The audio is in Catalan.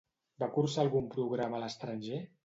Va cursar algun programa a l'estranger?